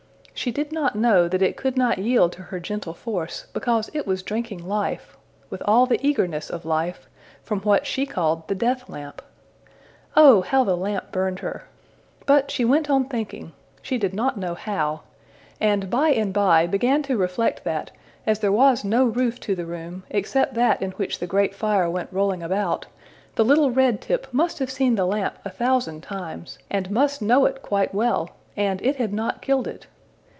She did not know that it could not yield to her gentle force because it was drinking life, with all the eagerness of life, from what she called the death lamp. Oh, how the lamp burned her! But she went on thinking she did not know how; and by and by began to reflect that, as there was no roof to the room except that in which the great fire went rolling about, the little Red tip must have seen the lamp a thousand times, and must know it quite well! and it had not killed it!